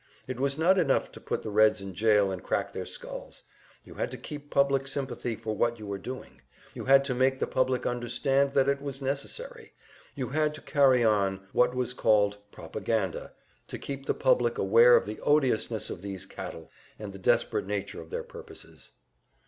It was not enough to put the Reds in jail and crack their skulls, you had to keep public sympathy for what you were doing, you had to make the public understand that it was necessary, you had to carry on what was called "propaganda," to keep the public aware of the odiousness of these cattle, and the desperate nature of their purposes.